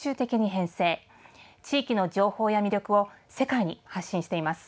地域の情報や魅力を世界に発信しています。